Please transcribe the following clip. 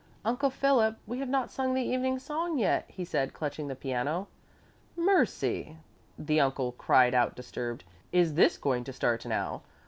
"Uncle Philip, we have not sung the evening song yet," he said, clutching the piano. "Mercy!" the uncle cried out disturbed. "Is this going to start now?